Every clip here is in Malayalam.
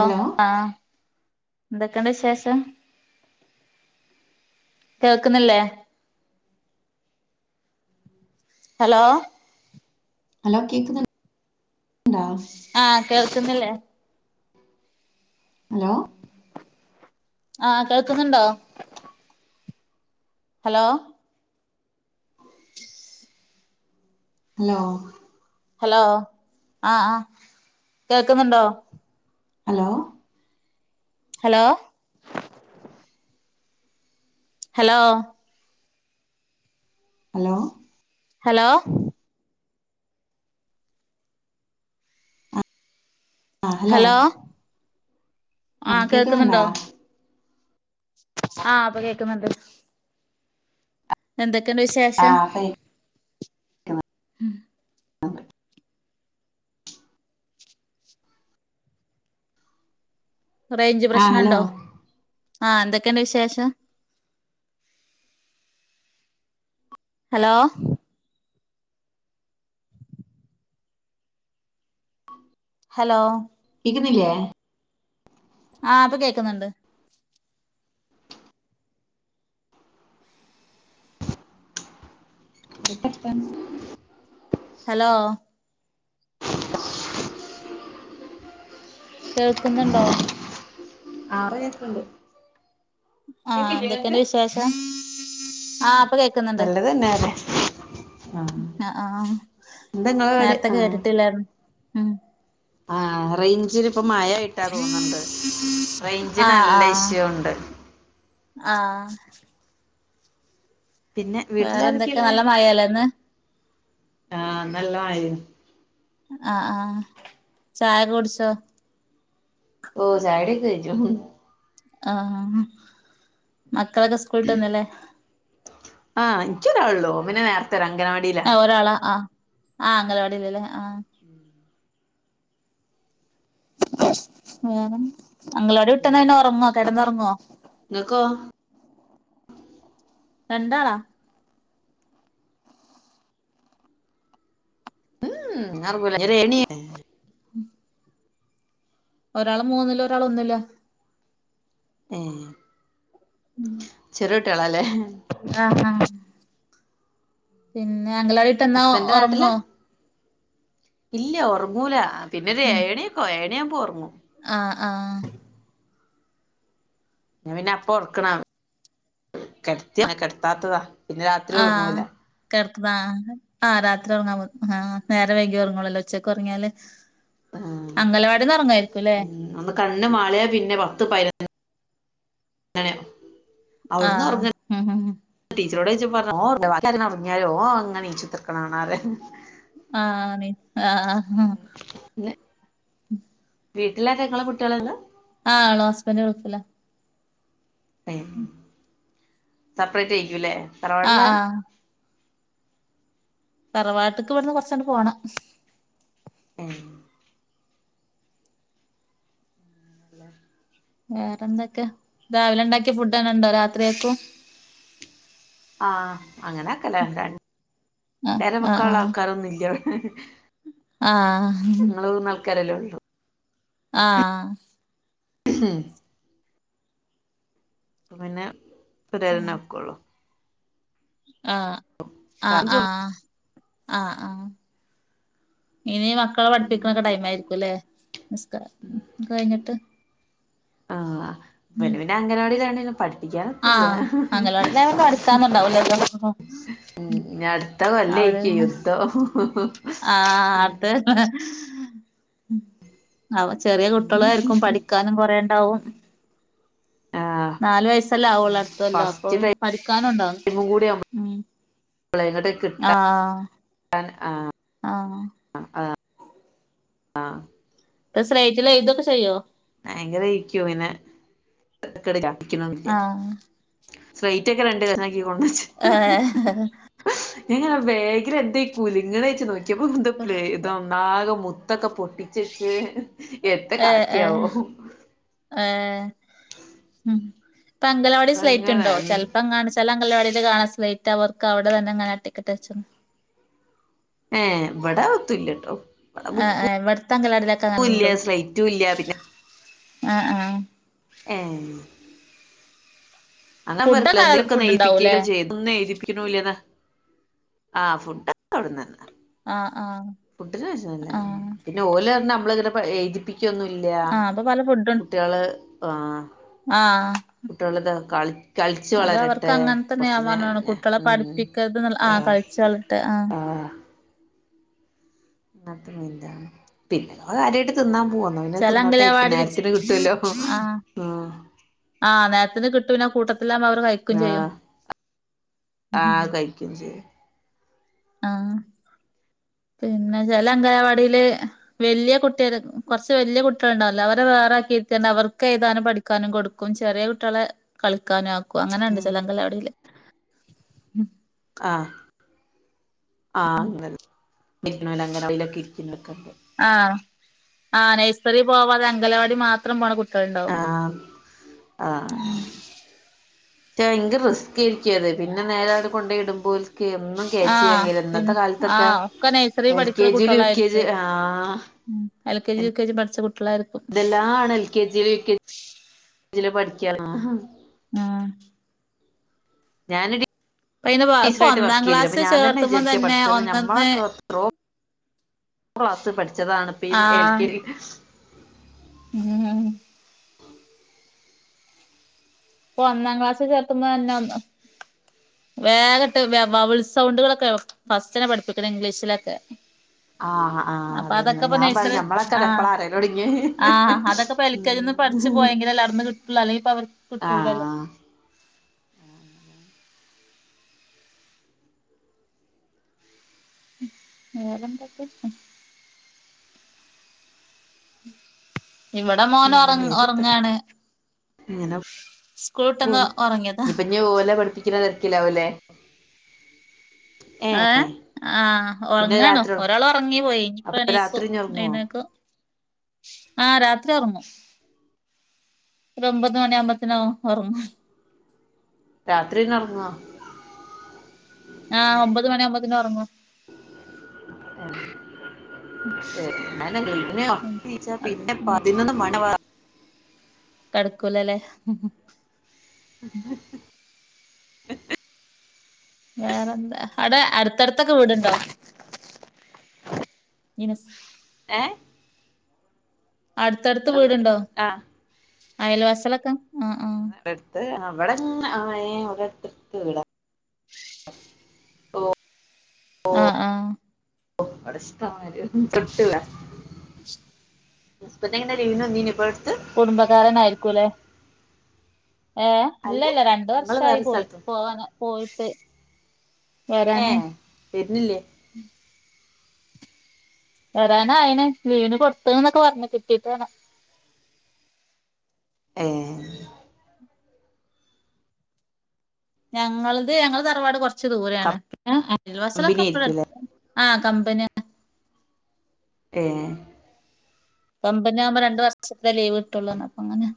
ഓ ആഹ് ന്തൊക്കെണ്ട് ശേഷം കേൾക്ന്നില്ലേ അലോ ഹലോ കേക്ന്ന്ൺണ്ടാ ആഹ് കേൾക്കുന്നില്ലേ ഹലോ ആഹ് കേൾക്കുന്നുണ്ടോ ഹലോ ലോ ഹലോ ആഹ് ആഹ് കേൾക്കുന്നുണ്ടോ hello hello hello hello hello ആ ഹലോ ആ ആഹ് കേക്കുന്നുണ്ടാ? ആ പ്പൊ കേക്കുന്നുണ്ട് എന്തൊക്കെണ്ട് ആ വിശേഷം? ഇപ്പ അ റൈഞ്ച് ആ ഹലോ പ്രശ്നണ്ടോ ആ എന്തൊക്കെണ്ട് വിശേഷം? ഹലോ ഹലോ കേക്ക്ന്നില്ലേ? ആ പ്പൊ കേക്ക്ന്ന്ണ്ട് ന്തൊക്കെ ർത്താനം ഹലോ കേൾക്ക്ന്ന്ണ്ടോ? ആ പ്പൊ കേക്കുന്നുണ്ട് ആ എന്തൊക്കെണ്ട് വിശേഷം ആ പ്പൊ കേ നല്ലത് തന്നേനെ അ ആ ഇങ്ങളെ പാട് നേരത്തെ കേട്ടിട്ടില്ലായിര്ന്നു ഉം ആ റെയ്ഞ്ചിനിപ്പ മയയായിട്ടാ തോന്ന്ണ്ട് റെയ്ഞ്ചിന് നല്ല ഇഷ്യൂണ്ട് ആ പിന്നെ വേറെന്തൊക്കെ വീട്ടിലാരൊക്കെയിള്ളേ നല്ല മഴല്ലേ ഇന്ന് ആ നല്ല മയേ അ ആ ഛായൊക്കെ കുടിച്ചോ? ഓ ഛായൊടിയൊക്കെ കഴിഞ്ഞു ഹും ആ മക്കളൊക്കെ സ്കൂള്ട്ടന്നല്ലേ ആ ഇൻക്കൊരാളൊള്ളു ഓൻപിന്നെ നേരത്തെരു അംഗനവാടീല ആഹ് ഒരാളാ ആ ആ അംഗനവാടിയിലല്ലേ ആ മ്മ് എങ്ങനെ അംഗലവാടി വിട്ടന്ന പിന്നെ ഒറങ്ങൊ കെടന്നൊറങ്ങോ? ങ്ങക്കോ? രണ്ടാളാ ഉം [unintelligible] ഉം ഒരാള് മൂന്നിലു ഒരാളൊന്നിലാ ഏ ചെറിയുട്ട്യോളാലേ അ ആ പിന്നെ അംഗലവാടി വന്നാ ഹസ്ബൻഡ് നാട്ടിലാ ഉറങ്ങോ ഇല്ല്യ ഒറങ്ങൂല അ പിന്നൊരേഴണിക്കോ ഏഴണിയാവുമ്പോ ഒറങ്ങും ആ ആ ഞാപിന്നപ്പോ ഒർക്ക്ണ കെടത്തിയാ കെടത്താത്തതാ പിന്നെ രാത്രി ആ ഒറങ്ങൂല കെടത്ത്ണാ അ രാത്രി ഒറങ്ങാൻ പോ ആ നേരവൈകിയുറങ്ങുളല്ലോ ഉച്ചക്കൊറങ്ങിയാല് ആഹ് അംഗലവാടിന്ന് ഒറങ്ങായിരിക്കുല്ലേ ഉം ഒന്ന് കണ്ണ് മാളിയാ പിന്നെ പത്ത് പയിനൊ ആഹ് അവിടുന്നൊറങ്ങ് ഉം ഉം ടീച്ചറോട് ചൊയ്ച്ചപ്പറഞ്ഞ ഓഒറങ്ങൂലബാക്കിയോരെല്ലാ ഒറങ്ങിയാലും ഓ അങ്ങനീച്ചുത്തര്ക്കണാണാറയു ആ ആണ് ഹ ഹ ഹാ വീട്ടില് വീട്ടിലാരാ ങ്ങളും കുട്ടിയോളൊള്ളൂ ആണോ ഹസ്ബന്റൾഫിലാ ഏഹ് സപ്പ്രേറ്റായിക്കുല്ലേ അആഹ് തറവാട്ട്ക്ക് വ്ട്ന്ന് കൊർച്ചങ്ങട് പോണം ഏഹ് [inaudible] വേറെന്തൊക്ക? രാവിലണ്ടാക്ക്യ ഫുഡ്ഡെന്നണ്ടോ രാത്രിയേക്കു? ആഹ് അങ്ങനാക്കെല്ലേ ണ്ടാ ആഹ് ണ്ടേരം ആഹ് വെക്കാൻള്ളാൾക്കാരൊന്നുല്ല്യ വ ആഹ് ങ്ങളൂന്നാൾക്കാരല്ലെ ഉള്ളു ആഹ് [unintelligible] പ്പ പിന്നെ [unintelligible] ന്ക്കുള്ളൂ. ആഹ് അ ആ അ ആ ഇനി മക്കള പഠിപ്പിക്കണൊക്ക ടൈമായിരിക്കുല്ലേ നിസ്ക്ക കയ്ഞ്ഞ്ട്ട് ആഹ് വല് പിന്നെ അംഗന വാടിലാണേലും പഠിപ്പിക്കാനൊത്തില്ല ണ്ടാവുല്ലല്ലോ ഉ ഞടുത്ത കൊല്ലയ്ക്ക് യുദ്ധം ആഹ് അത് അവ ചെറിയ കുട്ട്യളായിരിക്കും പഠിക്കാനും കൊറേണ്ടാവും ആഹ് നാല്‌ വയസ്സല്ലാവുള്ളട്‌ത്തൊല്ല പ്പൊ ഫസ്റ്റ് പഠിക്കാനുണ്ടാ ഊം പളെ ങ്ങട്ട് അ ആഹ് അൻ ആ ആഹ് [unintelligible] എ സ്ലേറ്റിലെയ്‌തൊക്ക ചെയ്യോ? അയങ്കര യ്ക്കും വിന്നെ [unintelligible] ആഹ് സ്ലെയ്റ്റൊക്കെ രണ്ട് കഷ്ണാക്കി കൊണ്ടച്ച് ഏഹ്ഹഹ എങ്ങനെ ബേഗിലെന്തെയ് കുലുങ്ങന്ന്ച്ച് നോക്ക്യപ്പം [unintelligible] നാക മുത്തൊക്ക പൊട്ടിച്ചെച്ച് എത്ത് ഏഹ് കാട്ടിയാവോ ഏഹ് ഏഹ് ഹു പ്പംഗലവാടി അതങ്ങനെ സ്ലേറ്റ്ണ്ടോ? ചെൽപ്പങ്ങാണ് സ് ചെല അംഗലവാടില് കാണാ സ്ലേറ്റവർക്കവിടെ തന്നെങ്ങന ട്ടിക്ക്ട്ട്ച്ചണ് ഏഹ് ബട ഒത്തുല്ലട്ടോ ഇവിടെ ആ ബുക്കും ആഹ് വെടത്തങ്കലാടിലൊക്കെ ഇല്ല ങ്ങനെണ്ടോ സ്ലൈറ്റും ഇല്ല പിന്നെ ആ ആഹ് ഏഹ് അങ്ങ വെർക്കലെ ഫുഡൊക്കെ ന്തലൊക്കൊ ഫുഡ് ഉണ്ടാവൂല്ലേ ന്നെയിപ്പിക്കയേലും ചെയ്ത്. ഒന്നു എയ്തിപ്പിക്ക്ണുല്ലതാ ആഹ് ഫുഡ്ഡൊക്കെവിടന്നന്നാ ആഹ് ആഹ് ഫുഡ്ഡിന് വെഷമല്ല ഉം ആഹ് ന്ന ഓല്ന്നമ്മള് [unintelligible] എയ്തിപ്പിക്കൊന്നുല്ല ആഹ് അപ്പൊ പല കുട്ട്യള് ആ അ ആഹ് കുട്ട്യളിത് കാളി കൾച്ച് അത് അവർക്ക് വളരട്ടെ അങ്ങനെ തന്നെ ഞാൻ കൊർച്ച് ഞെ പറഞ്ഞതാണ് ഞെ കുട്ടികളെ ഉം പഠിപ്പിക്കരുത് എന്നുള്ള ആഹ് കളിച്ച് വളരട്ടെ ആഹ് ആ [unintelligible] പിന്ന [unintelligible] കാര്യായിട്ട് ത്‌ന്നാൻ പോവാ വേണെ ചെല തിന്നോട്ടേരിക്കു അംഗലവാടില് നേരത്തിന് കിട്ടുല്ലോ ഹു ആഹ് ആഹ് ആഹ് നേരത്തിന് കിട്ടും ന്നെ അകൂട്ടത്തിലാമ്പവര് കയ് ആഹ് ആ കയ്ക്കും ചെയ്യു. ആഹ് പിന്ന ചെലംഗനവാടീല് എഹ് വെല്ല്യ കുട്ട്യര് കൊർച്ച് വല്ല്യ കുട്ട്യൾ ണ്ടാവല്ലോ അവരെ വേറാക്കിട്ടെന്നവർക്കെയ്താനു പടി ക്കാനും കൊടുക്കും ചെറിയ കുട്ട്യളെ കളിക്കാനു ആക്കു അങ്ങനെണ്ട് ഉം ചെല അംഗലവാടീല് ആഹ് ആഹ് അങ്ങനെ പിന്നോലങ്ങനെ [unintelligible] ഇരിക്ക്ന്നൊക്കെ ആഹ് ആഹ് നെഴ്സറി പോവാതെ അംഗലവാടി മാത്രം പോണ കുട്ടാള് ണ്ടാവും ആഹ് റ്റെ യ്ങ്ക് റിസ്കേര്ക്കും അത് പിന്നെ നേരാട് കൊണ്ടെയിടുമ്പോൾ ഒര് എന്നും ആഹ് [unintelligible] ഇന്നത്തെ പിന്നെ കാലത്തൊക്കെ ആഹ് ഒക്കെ നഴ്സറി എൽ കെ പഠിക്കണ ജി ലു യു കെ ജി കുട്ടികളായിരിക്കേ ല് ആഹ് L K G U K G പഠിച്ച കുട്ടികളായിരിക്കും. ഇതെല്ലാണ് എൽ കെ ജി ല് യു കെ ജി പഠിക്കാണാ ആഹ് ഞാനൊര് ഇപ്പ അയിന് ഇപ്പൊ ടീച്ചറായിട്ട് വർക്ക് ഒന്നാം ചെയ്തിനു അപ്പൊ ക്ലാസ് ഞാൻ തന്നെ ചേർത്തുമ്പോ വിചാരിക്കാ തന്നെ പടച്ചോനെ ഒന്നൊന്ന് ഞമ്മളൊക്കെ ത്രോ ക്ലാസ്സ് പഠിച്ചതാണ് ഇപ്പം മ് എ ൽ ആഹ് ക്കെ ജി [unintelligible] ഇപ്പൊ ഒന്നാം ക്ലാസ് ചേർത്തുമ്പോ തന്നെ ഒന്ന് വേഗട്ട് വേ വവ്ൾ സൗണ്ടുകളൊക്കെ ഫസ്റ്റ നെ പഠിപ്പിക്കണം ഇംഗ്ലീഷിലൊക്കെ ആഹ് ആഹ് അപ്പൊ അതന്നെ അതൊക്കെ ഇപ്പ ഞാൻ പറ നഴ്‌സറി ഞമ്മളൊക്കെ ആഹ് അതെപ്പളാ അറിയലൊടങ്ങിയെ ആഹ് അതൊക്കെപ്പ എൽ കെ ജി ന്ന് പഠിച്ച് ഉം പോയെങ്കിലല്ലെ അട്ന്ന് കിട്ടൊള്ളു അല്ലെങ്കി ഇപ്പൊ അവർക് കിട്ടൂലല്ലോ ആഹ് വേറെന്തക്കെ [unintelligible] ഇവിടെ മോന ഉം ഒറ വരുത്ത് ഒറങ്ങാണ് ഇങ്ങനെ സ്കൂൾട്ടന്ന് ഒറങ്ങിയതാ ഞ് ഓലെ പഠിപ്പിക്ക്ണ തെരക്കില്ലാവും ല്ലേ ഏഹ് ആഹ് പിന്നെ ഒറങ്ങാണ് രാത്രി ഒരാൾ ഒറങ്ങി പോയി അപ്പൊ രാത്രി ഇനിപ്പണിസും ഇഞ്ഞ് ഒറങ്ങോ എഴുന്നേക്കും ആഹ് രാത്രി ഒറങ്ങും ഓരൊമ്പത് മണി ആവുമ്പത്തിന് ഒ ഒറങ്ങും രാത്രി പിന്നെ ഒറങ്ങോ ആഹ് ഒമ്പത് മണി ആവുമ്പതിന് ഒറങ്ങും ഏഹ് അയന്നെ [unintelligible] ങ്ങീച്ചാ പിന്നെ ഉം പതിനൊന്ന് മണി ആവും ആ കെട്ക്കൂലല്ലേ [unintelligible] വേറെന്താ അവിടെ അടുത്തടുത്തൊക്കെ വീടുണ്ടോ ഇനസ് ഏഹ് അടുത്തടുത്ത് ഇവിടെണ്ട് വീടുണ്ടോ ആഹ് അയൽവാസിയാളൊക്കെ ഉം ഉം വ്ടെട്ത്ത് അഹ് വടെങ്ങ ആഹ് ഏഹ് ഇവടടുത്തട്ത്ത് വീടാ ആഹ് ആഹ് ഓ അവ്ടെ ഷ്‌ടംമ്മാരി [unintelligible] ഹസ്ബൻഡ് എങ്ങനെ ലീവിന് വന്നിനോ ഇപ്പടുത്ത് കുടുംബകാരനായിരിക്കൂ ല്ലെ ഏഹ് ഇല്ലല്ല അല്ലല്ല രണ്ട് ഞങ്ങള് വർഷായി വേറെ പോയി സ്ഥലത്തും പോവാന പോയിട്ട് വരാന് ഏഹ് വെര്നില്ലേ വരാനായിണ് ലീവിന് കൊടുത്തന്നൊക്കെ പറഞ്ഞ് കിട്ടീട്ട് വേണം ഏഹ് ഞങ്ങളത് ഞങ്ങളെ തറവാട് കൊറച്ച് ദൂരെയാണ് കമ്പനി അയൽവാസിലൊക്കെ ഇബടടു ആയിരിക്കൂല്ലേ ആഹ് കമ്പന്യ ഏഹ് കമ്പനി ആവുമ്പോ രണ്ട് വർഷത്തില് ലീവ്ട്ടുള്ളൂറഞ്ഞ് അപ്പങ്ങനെ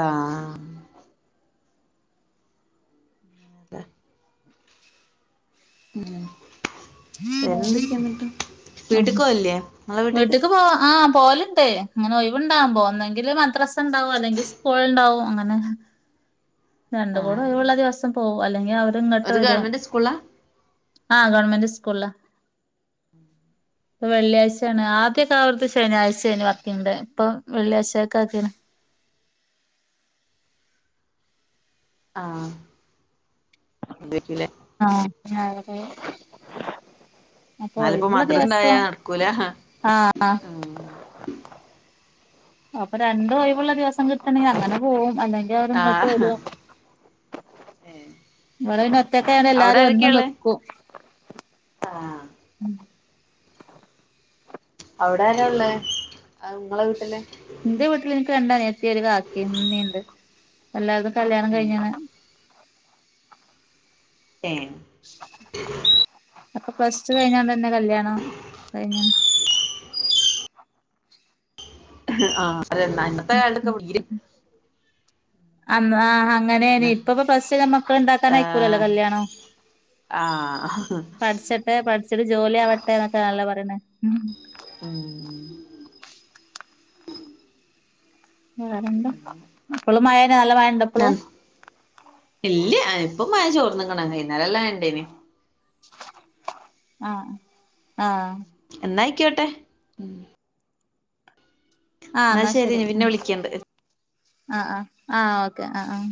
ആഹ് ന്താ ങ്‌ഹേ ഏഹ് [unintelligible] ആഹ് വീട്ടിക്ക് പോവല്ലേ നിങ്ങളെ വീട്ടിക്ക് വീട്ടക്ക് പോവാ ആഹ് പോവല് ണ്ട് അങ്ങനെ ഒഴിവ്ണ്ടാവുമ്പോ ഒന്നെങ്കിൽ മദ്രസണ്ടാവും അല്ലെങ്കിൽ സ്കൂള്ണ്ടാവും അങ്ങനെ ആ രണ്ടും കൂടെ ഒഴിവുള്ള ദിവസം പോവും അല്ലെങ്കി അവരിങ്ങട്ട് ഒരു വരും ഗവൺമെന്റ് സ്കൂളാ ആഹ് ഗവണ്മെന്റ് സ്കൂളിലാ ഇപ്പ വെള്ളിയാഴ്ച്ചാണ് ആദ്യൊക്കൊ അവർക്ക് ശനിയാഴ്ച ആയിന്നു വർക്കിംഗ് ഡേ ഇപ്പൊ വെള്ളിയാഴ്ച്ചക്ക് ആക്കിക്ക്ണ് ആഹ് [unintelligible] ല്ലേ ആഹ് [unintelligible] അപ്പൊ എന്നാലിപ്പോ ഒഴിവ്ള്ള മദ്രസ ഉണ്ടായ ദിവസം നടക്കൂല ആഹ് ആഹ് അപ്പൊ രണ്ടും ഒഴിവുള്ള ദിവസം കിട്ടണെങ്കിൽ അങ്ങനെ പോവും അല്ലെങ്കിൽ ആ അവരിങ്ങട്ട് വരും ഏ ഇവിടെ പിന്നെ ഒറ്റക്കയോണ്ട് അവിടെ എല്ലാരും വന്ന് നിക്കും ആഹ് ഉം അവിടെ ആരാ ഉള്ളേ നിങ്ങളെ വീട്ടില് എന്റെ വീട്ടില് എനിക്ക് രണ്ട് അനിയത്തി ഒരു കാക്കി ഉമ്മിംണ്ട് എല്ലാവർക്കും കല്യാണം ഏ കഴിഞ്ഞേണ് ഏഹ് അപ്പൊ പ്ലസ് ടു കഴിഞ്ഞാണ്ട്ന്നാ കല്യാണം കഴിഞ്ഞു ആഹ് അതാ അന്നത്തെ ഉം കാലത്തൊക്കെ ഉം [unintelligible] ആഹ് അങ്ങനെ ഇപ്പ ഇപ്പോ പ്ലസ്ടു മക്കളിണ്ടാക്കാൻ അയക്കൂലല്ലോ ആ കല്യാണം ആഹ് പഠിച്ചിട്ടെ പഠിച്ചിട്ട് ജോലി ആവട്ടെ എന്നൊക്കെ അല്ലെ പറയണേ ഉം ഇപ്പളും മഴന്ന നല്ല മഴയിണ്ടൊ ആഹ് ഇല്ല ഇപ്പം മയ ചോർന്ന്ക്കണ് വൈകുന്നേരം എല്ലാം ഇണ്ടേന് ആഹ് ആഹ് എന്നായിക്കോട്ടെ ആഹ് എന്നാ ശരി ഉം ആഹ് ആഹ് ആഹ് ഓക്കെ ആഹ് ആഹ്